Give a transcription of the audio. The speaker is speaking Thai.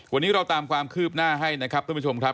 วันนี้เราตามความคืบหน้าให้นะครับท่านผู้ชมครับ